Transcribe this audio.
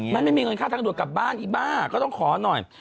มันไม่มีเงินค่าทางด่วนกลับบ้านอีบ้าก็ต้องขอหน่อย